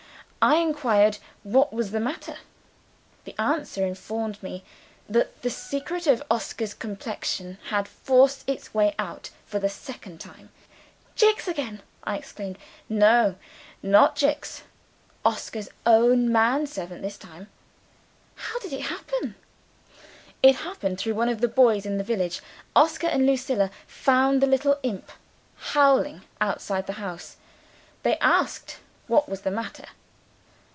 I inquired what was the matter. The answer informed me that the secret of Oscar's complexion had forced its way out for the second time, in Lucilla's hearing." "Jicks again!" I exclaimed. "No not Jicks. Oscar's own man servant, this time." "How did it happen?" "It happened through one of the boys in the village. Oscar and Lucilla found the little imp howling outside the house. They asked what was the matter.